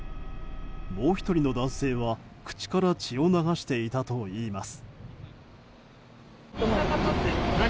もう１人の男性は口から血を流していたといいます。